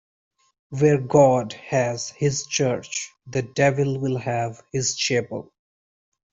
Where God has his church, the devil will have his chapel.